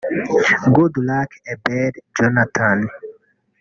Goodluck Ebele Jonathan